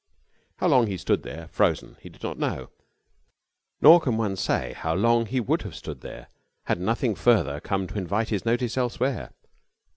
How long he stood there, frozen, he did not know: nor can one say how long he would have stood there had nothing further come to invite his notice elsewhere.